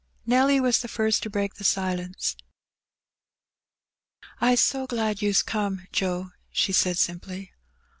Nelly was the first to break the silence. I^s so glad you's come, Joe,'' she said simply.